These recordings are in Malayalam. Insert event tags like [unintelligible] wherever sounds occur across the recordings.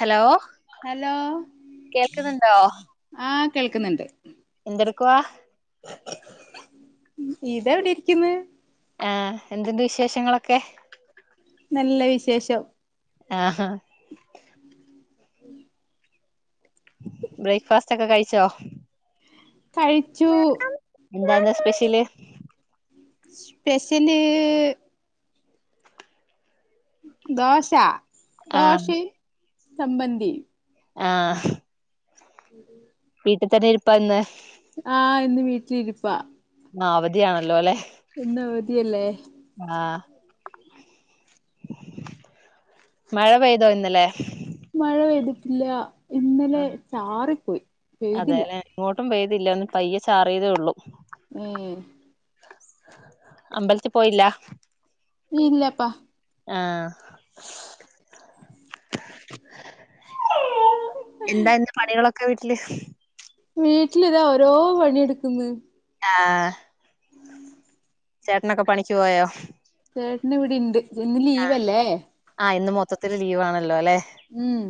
ഹലോ ഹലോ കേൾക്കുന്നുണ്ടോ ആഹ് കേൾക്ക്ന്ന്ണ്ട് എന്തെടുക്കുവാ ഇതാവിടിരിക്ക്ന്ന് ആ എന്ത്ണ്ട് വിശേഷങ്ങളൊക്കെ നല്ല വിശേഷം ആ [inaudible] ബ്രേക്ക്ഫാസ്റ്റൊക്കെ കഴിച്ചോ കഴിച്ചൂ എന്താണ് സ്പെഷൽ സ്പെഷൽ ദോശ ആ ദോശയും ചമ്മന്തിയും ആ [inaudible] വീട്ടിൽ തന്നെ ഇരിപ്പാന്ന് ആ ഇന്ന് വീട്ടിലിരിപ്പാ അവധിയാണല്ലോലേ ഇന്നവതിയല്ലേ മഴ പെയ്തോ ഇന്നലെ മഴ പെയ്തിട്ടില്ല ഇന്നലെ ചാറി പോയി പെയ്തില്ല ട്ടും പെയ്തില്ല ഒന്ന് പയ്യെ ചാറിയതേള്ളൂ ഉം അമ്പലത്തിൽ പോയില്ലാ ഇല്ലാപ ആ എന്താ [unintelligible] വീട്ടിലിതാ ഓരോ പണിയെടുക്കുന്ന് ആ ചേട്ടനൊക്കെ പണിക്ക് പോയോ [unintelligible] ലീവല്ലേ ആ ഇന്ന് മൊത്തത്തിൽ ലീവാണല്ലോ ലെ ഉം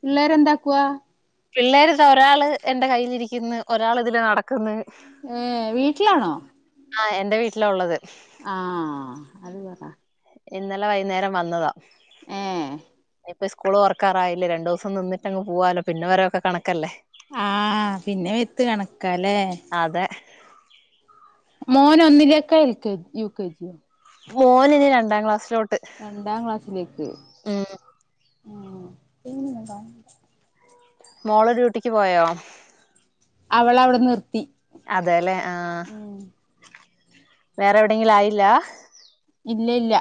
പിള്ളേരെന്താക്കുവാ പിള്ളേര് താ ഒരാള് എന്റെ കയ്യിലിരിക്ക്ന്ന് ഒരാള് ഇതിലെ നടക്ക്ന്ന് ഏ വീട്ടിലാണോ ആ എന്റെ വീട്ടിലാ ഒള്ളത് ആ [unintelligible] ഇന്നലെ വൈന്നേരം വന്നതാ ഏ സ്ക്കൂൾ തൊറക്കാറായില്ലേ രണ്ടോസം നിന്നിട്ടങ്ങ് പോവാലോ പിന്നെ [unintelligible] ആഹ് പിന്നെ വിത്ത് കാണക്കാല്ലേ അതെ മോൻ ഒന്നിലേക്കോ L K G U K G യോ മോൻ ഇനി രണ്ടാം ക്ലാസ്സിലോ രണ്ടാം ക്ലാസ്സിലേക്ക് ഉം [unintelligible] മോൾ ഡ്യൂട്ടിക്ക് പോയോ അവൾ അവിടെ നിർത്തി അതെല്ലേ ആഹ് ഉം വേറെ എവിടെങ്കിലും ആയില്ല ഇല്ല ഇല്ല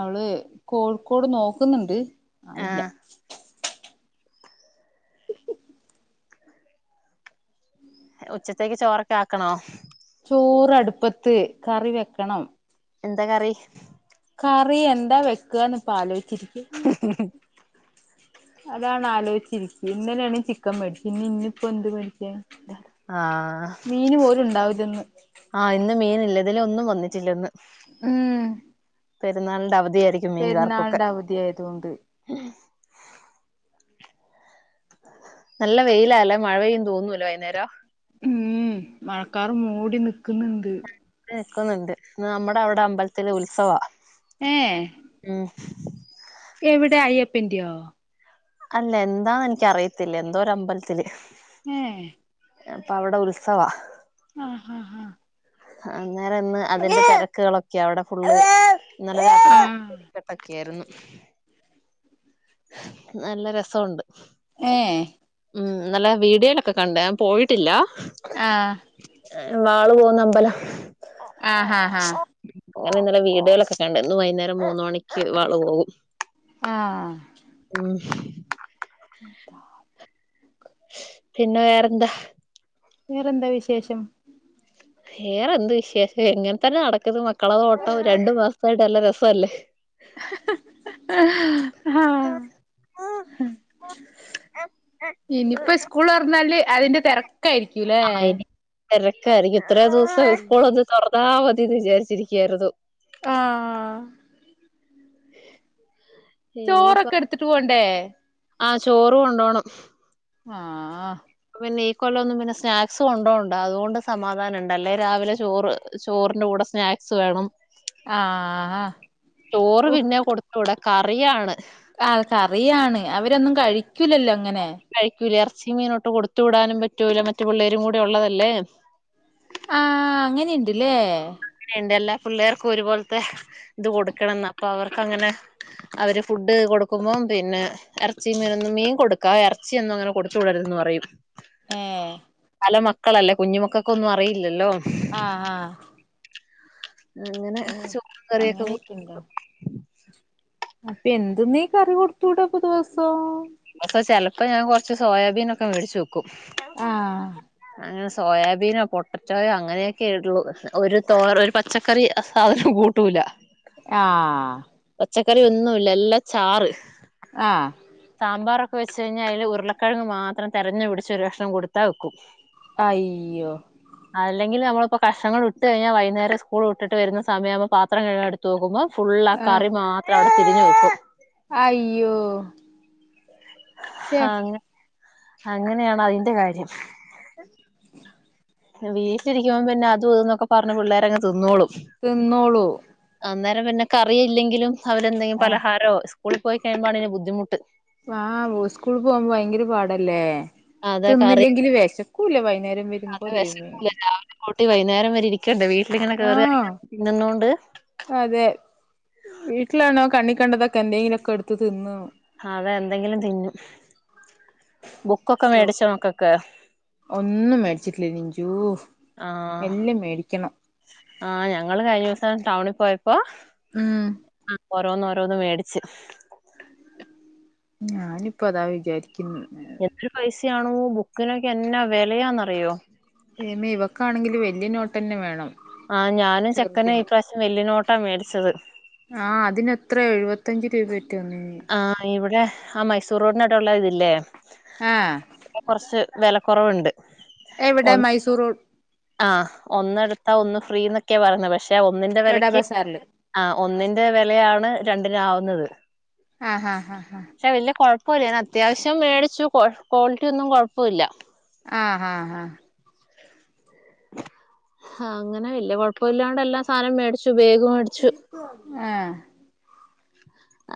അവൾ കോഴിക്കോട് നോക്കുന്നുണ്ട് ആയില്ല ആഹ് ഉച്ചത്തെക്ക് ചോറൊക്കെ ആക്കണോ ചോർ അടുപ്പത്ത് കറി വെക്കണം എന്താ കറി കറി എന്താ വെക്കുവാന്ന് ഇപ്പോ ആലോയി അതാണ് ആലോയിച്ചിരിക്ക് ഇന്നലെയാണെ ചിക്കൻ വേടിച്ച് ഇനി ഇനിപ്പ എന്ത് മേടിക്കാൻ ആഹ് ഉണ്ടാവില്ലന്ന് ആഹ് ഇന്ന് മീനില്ല ഇന്നലെ ഒന്നും വന്നിട്ടില്ലെന്ന് ഉം പെരുന്നാളിന്റെ അവ ധി ആയിരിക്കും മീൻക്കാർക്ക് ഒക്കെ പെരുന്നാളിന്റെ അവധിയായതുകൊണ്ട് നല്ല വെയില അല്ലെ മഴ പെയ്യുന്നു തോന്നുല്ലാ വൈന്നേരം ഉം മഴക്കാർ മൂടി നിക്കുന്നുണ്ട് നിക്കുന്നുണ്ട് ഇന്ന് നമ്മടെ അവിടെ അമ്പലത്തിൽ ഉത്സവാ ഏഹ് ഉം എവിടെ അയ്യപ്പന്റെയോ അല്ല എന്താന്ന് എനിക്ക് അറിയത്തില്ല എന്തോ ഒരു അമ്പലത്തിൽ ഏഹ് അപ്പ അവിടെ ഉത്സവാ ആഹ് ആഹ് ആഹ് അങ്ങനെ ഇന്ന് അതിന്റെ തിരക്കുകൾ ഒക്കെയാ അവിടെ ഫുള്ള് ഇന്നലെ ആ രാത്രി വെടിക്കെട്ട് ഒക്കെ ആയിരുന്നു [unintelligible] നല്ല രസോണ്ട് ഏഹ് ഉം ഇന്നലെ വിഡിയോയിൽ ഒക്കെ കണ്ട് ഞാൻ പോയിട്ടില്ല ആഹ് ഏഹ് വാളു പോന്ന അമ്പലം ആ ആ ആ [unintelligible] ആ ഉം [inaudible] പിന്നെ വേറെ എന്താ വേറെയെന്താ വിശേഷം വേറെ എന്ത് വിശേഷം ഇങ്ങനെത്തന്നെ നടക്കുന്നു കിടന്ന് ഓട്ടം രണ്ട് മാസമായിട്ട് നല്ല രസം അല്ലേ ഇനി ഇപ്പോ സ്കൂൾ തുറന്നാലേ അതിന്റെ തിരക്ക് രക്കായിരിക്കും അല്ലേ ആഹ് ഇനി തിരക്കായിരിക്കും ഇത്രയും ദിവസം ഇസ്ക്കൂൾ ഒക്കെ തുറന്ന് ന്നാമതി എന്ന് വിചാരിച്ചിരിക്കുകയായിരുന്നു ആ [inaudible] ചോറൊക്കെ എടുത്തിട്ട് പോകണ്ടേ ആ ചോറ് കൊണ്ടുപോകണം ആ ആ പിന്നെ ഈ കൊല്ലം സ്നാക്സ് കൊണ്ടുപോകണ്ടാ അതുകൊണ്ട് സമാധാനമുണ്ടല്ലേ രാവിലെ ചോറ് ചോറിന്റെ കൂടെ സ്നാക്സ് വേണം ആ ചോറ് ഓ പിന്നെ കൊടുത്തു വിടാൻ കറിയാണ് ആ കറിയാണ് അവരൊന്നും കഴി ക്കൂലല്ലോ അങ്ങനെ കഴിക്കൂല ഇറച്ചി മീനും ഒട്ടും കൊടുത്തു വിടാനും പറ്റില്ല മറ്റ് പിള്ളേരും കൂടെ ഉള്ളതല്ലേ ആ അങ്ങനെയുണ്ട്ല്ലേ ന്റെ എല്ലാ പിള്ളേർക്കും ഒരു പോലത്തെ ഇത് കൊടുക്കണമെന്നാ അപ്പോ അവർക്കങ്ങനെ അവര് ഫുഡ് കൊടുക്കുമ്പോ പിന്നെ ഇറച്ചിയും മീനും ഒന്നും മീൻ കൊടുക്കാം ഇറച്ചി ഒന്നും അങ്ങനെ കൊടുത്ത് വിടരുത് എന്ന് പറയും ഏ എല്ലാം മക്കളല്ലേ കുഞ്ഞ് മക്കൾക്കൊന്നും അറിയില്ലല്ലോ ആ ആ ഇങ്ങനെ ചോറും കറിയുക്കെ കൊ അങ്ങനെയൊക്കെ കൊ അപ്പോ എന്തുമേ കറി കൊടുത്ത് വിടും ദിവസം [unintelligible] ചില ഇപ്പോ ഞാൻ കുറച്ച് സോയാബീനൊക്കെ വേടിച്ച് വയ്ക്കും ആഹ് സോയാബീനോ പ്രൊട്ടക്റ്റ യോ അങ്ങനെയൊക്കെ ഒരു തോര പച്ചക്കറി സാധനം കൂട്ടൂല ആ പച്ചക്കറി ഒന്നുമില്ല എല്ലാം ചാറ് ആ സാമ്പാറൊക്കെ വച്ച് കഴിഞ്ഞാ അയ്ല് ഉരുളക്കിഴങ്ങ് മാത്രം തിരഞ്ഞ് പിടിച്ച് ഒരു കക്ഷണം കൊടുത്താൽ ഒക്കും അയ് യ്യോ [unintelligible] വ് ട്ടയിഞ്ഞ വൈന്നേരം സ്കൂൾവിട്ട്ട്ട് വരുന്ന സമയാമ്പം പാത്രംകഴുകാൻ എടുത്തു നോക്കുമ്പൊ ഫുള്ളാ കറി മാത്രവിടെത്തിരി പ്പ [inaudible] ആയ്യോ ഹ്‌ഹാങ്ങ അങ്ങനെയാണ് അയ്ന്റെ കാര്യം വീശിരിക്കുമ്പം പിന്ന അതുത് ന്നൊക്ക പറഞ്ഞ് പിള്ളേരങ്ങ് തിന്നോളു. ത്‌ന്നോളു. [unintelligible] പിന്ന ക്കറിയില്ലെങ്കിലും അവലെന്തെങ്കി പലഹാരോ സ് സ്കൂളിപോയി കഴിയുമ്പോഴാണ് ഒരു ബുദ്ധിമുട്ട് ആഹ് ഉസ്കൂൾ പോകുമ്പോ ഭയങ്കര പാടല്ലേ അതെ കറി തിന്നില്ലെങ്കില് വെശക്കുലേ വൈകുന്നേരം വരുമ്പോ ദൈവമേ ട്ടി വൈന്നേരം വരെരിക്കണ്ടെ വീ ഇത് ഇങ്ങനെ കേറി ആഹ് എറങ്ങി തിന്നന്നൊണ്ട് അതെ വീട്ടിലാണോ കണ്ണിക്കണ്ടതൊക്കെ എന്തെങ്കിലുക്കെ എടുത്ത് തിന്നോ അതെന്തെങ്കിലും തിന്നും. ബുക്കൊക്ക ശോ വേടിച്ചൊ മക്കക്ക്? ജൂ ആഹ് എല്ലം മേടിക്കണം ആഹ് ഞങ്ങള് കഴിഞ്ഞ ദിവസം ടൗണിൽ പോയപ്പോ ഉം ഓ ഹ് ഓരോന്ന് ഓരോന്ന് റൊന്ന് മേടിച്ച് ഞാനിപ്പതാ വിചാരി [inaudible] യാണോ ബുക്ക്നൊക്കെന്നാ വെലയാന്നറിയോ? എമേ ഇവക്കാണെങ്കില് വല്യനോട്ടെന്നെവേണം ആഹ്. ഞാനും ചെക്കനു ഇപ്രാവിശ്യം വല്ല്യനോ ട്ട മേടിച്ചത് ആഹ് അതിനെത്ര എഴുപത്തഞ്ച് രൂപ വരും ആഹ് ഇവിടെ ആ മൈസൂർ റോഡിന് ഔടെള്ളത് ല്ലേ? ആഹ് വെലക്കൊറവുണ്ട് എവിടെ ഒന് മൈസൂർ ആ ഒന്നെട്ത്താ ഒന്ന് ഫ് ഫ്രീ ന്നൊക്കെ പറയുന്നെ പക്ഷേ റ്റ ഒന്നിന്റെ ബടാ വെലക്ക് ബസാറില് ആ ഒന്നിന്റെ വിലയാവണ് രണ്ടിരാവുന്നത് ആ ഹ ഹ ച്ച വല്യാ കൊഴ് പോലെന്നത്യാവശം മേടിച്ചു ക്വാ ക്വാളിറ്റി ഒന്നും കൊഴപ്പില്ല അ അ അ ഹങ്ങനെ വല്യയ കൊഴപ്പല്ലാണ്ട് എല്ലാ സാനം മേടിച്ചു ബേഗ് ആ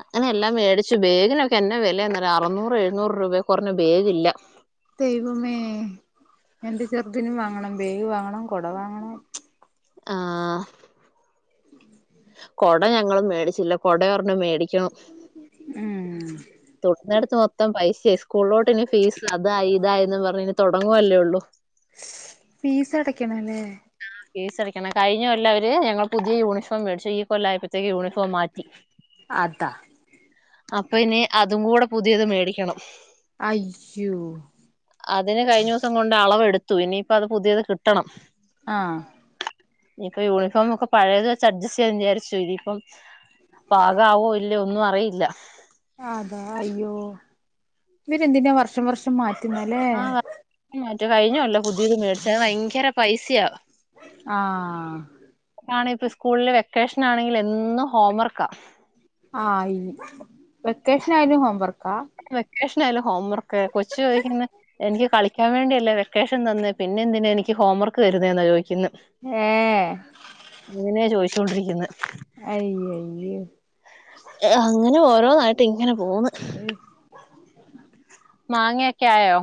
ങ്ങനെയെല്ലാം വേടിച്ചു ബേഗിനൊ ക്കെ എന്നാ വെലയാന്നറിയോ അറുന്നൂറ് എഴുന്നൂറൂപേ കൊറഞ്ഞ് ബേഗില്ല ദൈവമേ എൻ ദിസ് ഷ്ടത്തിനു വാങ്ങണം ബേഗു വാങ്ങണം കൊടവാങ്ങണം ആ കൊട ഞങ്ങള് മേടിച്ചില്ല കൊട ഒരെണ്ണം മേടി ക്കും ഉം തെട് നടത്തുമൊത്തം പൈസേ സ്കൂളിലോട്ടിനി ഫീസ് അതായി ഇതായിരുന്നു പറഞ്ഞിനി തൊടങ്ങുവല്ലേ ഉള്ളു ഫീസ് അടയ്ക്കണം അല്ലേ ഫീസടക്കണം കഴിഞ്ഞ കൊല്ലം അവര് ഞങ്ങൾ പുതിയ യൂണിഫോം മേടി ചെയ്യും പ്പോലായപ്പത്തേക്കും യൂണിഫോം മാറ്റി അതാ അപ്പയിനി അതും കൂട പുതിയത് മേടിക്കണം അയ്യോ അതിന് കഴിഞ്ഞോസം കൊണ്ട് അളവെടുത്തു ഇനീപ്പം അത് പുതിയത് കിട്ടണം ആഹ് നിപ്പ യൂണിഫോം ഒക്കം പഴേതു അഡ്ജെസ്സ് ചെയ്യന്നു വിചാരിച്ചു ഇനിപ്പം പാകാവോ ഇല്ലയോ ഒന്നും അറിയില്ല ആത അയ്യോ ഇവരെന്തിന്നാ വർഷം വർഷം മാ ആവ കഴിഞ്ഞ കൊല്ലം പുതീത് മേടി സേ ഭൈങ്കര പൈസയാ ആ ആണിപ്പം സ്കൂളിലെ വെക്കേഷനാണെങ്കിലെന്നും ഹോംവർക്കാ ആയി വെക്കേഷനായാലും ഹോംവർക്കാ ഇല്ലാലോ ഹോംവർക്കെ കൊച്ചുചോയിക്ക്ന്ന് എനിക്ക് കളി ക്കാൻ വേണ്ടിയല്ലേ വെക്കേഷൻ തന്നെ പിന്നെന്തിനാ എനിക്ക്ഹോംവർക്ക് തരുന്നേന്നാ ചോയിക്കുന്നേ ഏഹ് ഇങ്ങനെയാ ചോദിച്ച് ത്തോണ്ടിരിക്കുന്ന് അയ്യയ്യോ എ അങ്ങന ഓരോന്നായിട്ട് ങ്ങന പോന്ന് മാങ്ങേക്കെ യായോ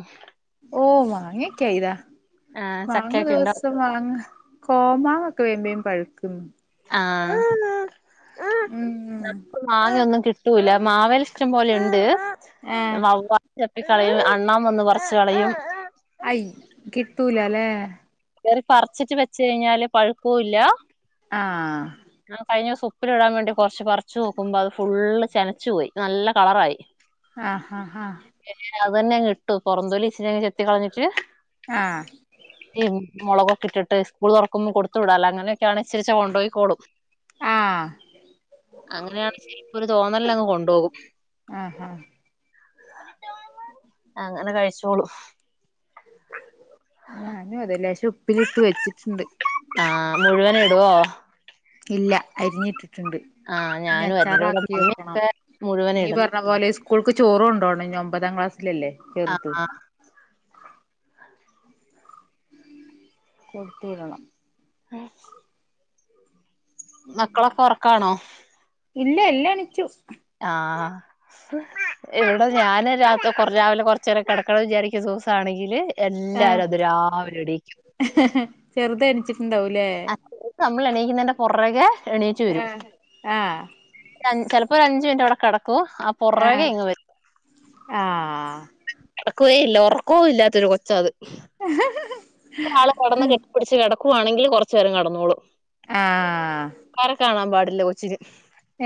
ഓ മാങ്ങേക്കായി ദാ വാങ്ങു ചക്കയൊക്കെ ഉണ്ടോ ദിവസംമാങ്ങ കോമാക്ക് പിന്നേം പഴുക്കുന്നു ആ..... ആ റ്റൂല്ല മാവേല് ഇഷ്ടം പോലെ ഒണ്ട് ഏഹ് [unintelligible] കളയും അണ്ണാൻ വന്ന് പറിച് കളയും അയ് [inaudible] കേറി പറിച്ചെച്ച് വെച്ച് കഴിഞ്ഞാൽ പഴുകുല്ലാ ആ കഴിഞ്ഞ ദിവസം ഉപ്പിലിടാൻ വേണ്ടി കുറച്ച് പറിച്ച് നോക്ക്മ്പോ ഫുൾ ചെനച്ചു പോയി നല്ല കളർ ആയി ആ ഹാ ഹാ അതന്നെ കിട്ടോ പുറന്തൊലി ഇച്ചിരിയങ്ങ് ചെത്തി കളഞ്ഞിട്ട് ആ മൊളക്ഒക്കെ ഇട്ടിട്ടു സ്കൂൾ തൊറക്കുമ്പോ കൊടുത്തു വിടാലോ അങ്ങനെയൊക്കെ ആണേ ഇച്ചിരിച്ചെ കൊണ്ട് പോയിക്കോളും ആഹ് ആഹ് അങ്ങനെയാണെങ്കിൽ ശരിക്കും ഒരു തോന്നലിന് അങ്ങ് കൊണ്ടോകും ആഹ് ആഹ് അങ്ങനെ കഴിച് ന്നോളും [inaudible] ഞാനുമതെ ഉപ്പിലിട്ടു വെച്ചിട്ടുണ്ട് ആഹ് മുഴുവനും ഇട്വോ ഇല്ല അരിഞ്ഞിട്ട് ആ ഞാനും അരിഞ്ഞ വെക്കണം [unintelligible] മുഴുവനും നീ ഇടും പറഞ്ഞ പോലെ സ്കൂൾക്ക് ചോറ് കൊണ്ടു പോകണം ഇനി ഒമ്പതാം ക്ലാസ്സ്‌ ല്ല ല്ലെ ചെറുത് ആഹ് കുട്ടികളോ? ആ ശേ മക്കളൊക്കെ ഉറക്കാണോ? ഇല്ല എല്ലാ എണീച്ചു. ആഹ് ഞാൻ രാവിലെ കുറച്ച് നേര കെടക്കണ വിചാരിച്ച ദിവസം ആണെങ്കില് ങേ ഹാ ഹാ ചെറുത് എണീച്ചിട്ടുണ്ടാവും ല്ലെ നമ്മളാഎണീക്കുന്നതിന്റെ പുറകെ അ ആഹ് അഞ്ജക്ക് പോ അഞ്ചു മിനിറ്റാടെ കടക്കും ക്കോ പുറകെ ആഹ് ഇങ്ങ വരും ആഹ് അടക്കുവേ ഉറക്കവും ഇല്ലാത്ത കൊച്ച അത് ഹാ ഹാ ഇപ്പ ആള് കെടന്ന് കെട്ടിപ്പിടിച്ച് കെടാ ക്കുവാണെങ്കിൽ കൊറച്ച് നേരം കെടന്നോളും. ആ ആ ആ ട്ടില്ല കൊച്ചിൻ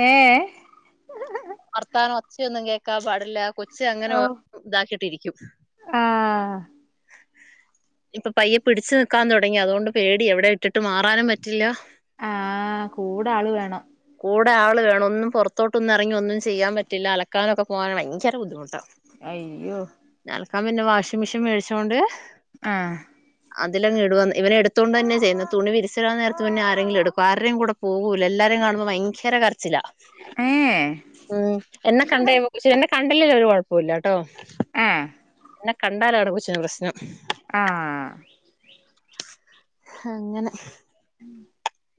ഏ ഏഹ് ഒച്ച ഒന്നും കേൾക്കാൻ പാടില്ല കൊച്ചങ്ങനെ ഓ ഒ ഇതാക്കിട്ടിരിക്കും ആഹ് ഇപ്പോ പയ്യെ പിടിച്ചു നിക്കാൻ തുടങ്ങി അതുകൊണ്ട് പേടിയാ എവിടേം ഇട്ടിട്ട് മാറാനും പറ്റില്ല. ആ കൂടാള് വേണം കൂടെ ആള് വേണം ഒന്നും പൊറത്തോട്ട് ഒന്ന് ഇറങ്ങി ഒന്നും ചെയ്യാൻ പറ്റില്ല അലക്കാനൊക്കെ പോകാൻ ഭയങ്കര ബുദ്ധിമുട്ട് അയ്യോ പിന്നെ വാഷിംഗ്‌ മെഷീൻ മേടിച്ചകൊണ്ട് ആഹ് അതിലങ്ങുഇടുവ ഇവനെ എടുത്തോണ്ട് തന്നെയ ചെയ്യുന്നെ തുണി വിരിച്ചിടാൻ നേരത്ത് പിന്നെ ആരെങ്കിലും എടുക്കും ആർടേംകൂടെ പോകുല എല്ലാരേം കാണുമ്പോൾ ഭയങ്കര കരച്ചിലാ ഏഹ് എന്നെ കണ്ട് കഴിയുമ്പോ [unintelligible] എന്നെ കണ്ടില്ലെങ്കിൽ ഒരു കൊഴപ്പോം ഇല്ല കേട്ടോ ആഹ് കണ്ടാലാണ് കൊച്ചിന് പ്രശ്നം ആഹ് ഹങ്ങനെ [inaudible]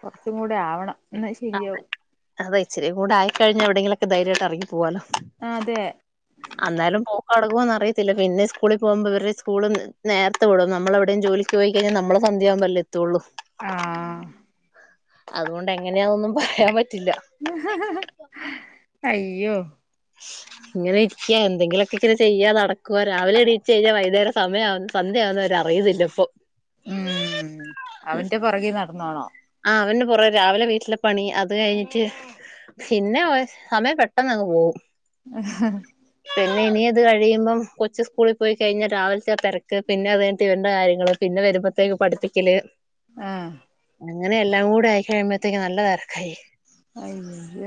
കൊറച്ചുംകൂടെ ആവണം എന്ന ശരി ആവും അതാ ഇച്ചിരിം കൂടെ ആയിക്കഴിഞ്ഞ എവിടെങ്കിലുമൊക്കെ ധൈര്യായിട്ട് ഇറങ്ങി പോവാലോ അതെ അന്നാലും [unintelligible] പോവോന്ന് അറിയത്തില്ല പിന്നെ സ്കൂളിൽ പോകുമ്പോ ഇവർടെ സ്കൂൾ നേരത്തെ വിടും നമ്മള് എവിടെയും ജോലിക്ക് പോയി കഴിഞ്ഞ നമ്മള് സന്ധ്യയാവുമ്പല്ലേ എത്തുള്ളൂ ആ അതുകൊണ്ട് എങ്ങനെയാനൊന്നും പറയാൻ പ അയ്യോ ഇങ്ങനെ എന്തെങ്കിലുമൊക്കെ ചെയ്യുക നടക്കുവ രാവിലെ എണീച്ച് കഴിഞ്ഞാൽ വൈകുന്നേരം സമയവു സന്ധ്യ ആകുന്ന വരെ അറിയുന്നില്ല ഇപ്പൊ ഉം അവന്റെ പോറകിൽ നടന്നോണം [unintelligible] രാവിലെ വീട്ടിലെ പണി അത് കഴിഞ്ഞിട്ട് പിന്നെ സമയം പെട്ടെന്ന് അങ്ങ് പോവും പിന്നെ ഇനി അത് കഴിയുമ്പം കൊച്ച് സ്കൂളിൽ പോയി കഴിഞ്ഞ് രാവിലത്തെ ആ തിരക്ക് പിന്നെ അത്‌ കഴിഞ്ഞിട്ട് ഇവന്റെ കാര്യങ്ങള് പിന്നെ വരുമ്പത്തേക്ക് പഠിപ്പിക്കല് ആഹ് അങ്ങനെ എല്ലാങ്കൂടെ ആയികഴിയമ്പത്തേക്ക് നല്ലതെരക്കായി അയ്യൊ